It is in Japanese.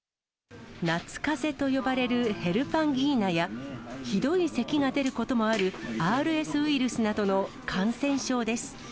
夏かぜと呼ばれるヘルパンギーナや、ひどいせきが出ることもあるＲＳウイルスなどの感染症です。